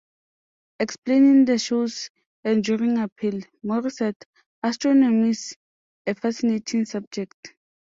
Explaining the show's enduring appeal, Moore said: Astronomy's a fascinating subject.